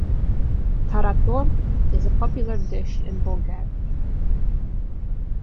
Tarator is a popular dish in Bulgaria.